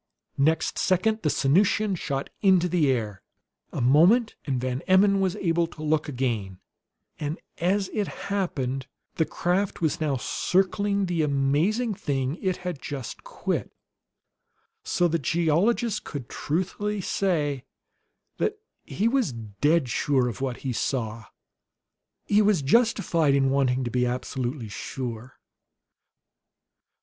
Next second the Sanusian shot into the air. A moment and Van Emmon was able to look again, and as it happened, the craft was now circling the amazing thing it had just quit, so that the geologist could truthfully say that he was dead sure of what he saw. He was justified in wanting to be absolutely sure.